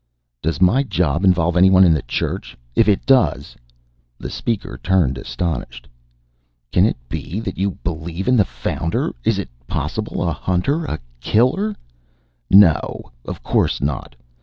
"Does my job involve anyone of the Church? If it does " The Speaker turned, astonished. "Can it be that you believe in the Founder? Is it possible, a hunter, a killer " "No. Of course not.